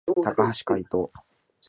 高橋海人